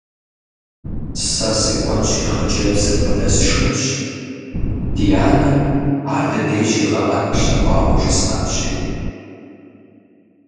Сэ сыкӏуэнщи, хъыджэбзыр къыдэсшынщ, ди анэм ар дыдей щигъэӀэну лъэӀуауэ жысӏэнщи.